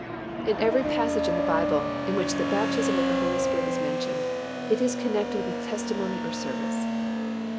In every passage in the Bible in which the baptism with the Holy Spirit is mentioned, it is connected with testimony or service.